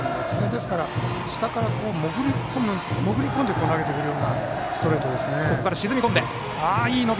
ですから、下から潜り込んで投げてくるようなストレートです。